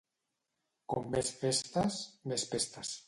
Com més festes, més pestes.